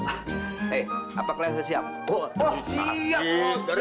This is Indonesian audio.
lekas sekarang mau cari tau sama aldo